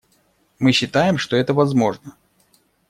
Мы считаем, что это возможно.